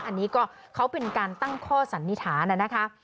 อันนี้ก็เขาเป็นการตั้งข้อสันนิษฐานนะคะ